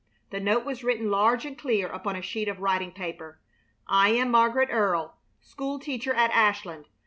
The note was written large and clear upon a sheet of writing paper: "I am Margaret Earle, school teacher at Ashland.